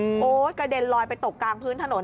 โอ้โหกระเด็นลอยไปตกกลางพื้นถนน